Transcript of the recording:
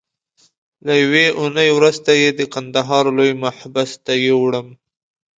له یوې اونۍ وروسته یې د کندهار لوی محبس ته یووړم.